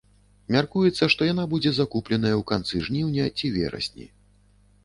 Мяркуецца, што яна будзе закупленая ў канцы жніўня ці верасні.